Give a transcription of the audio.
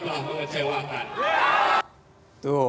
kepada mereka kami sampaikan mohon maaf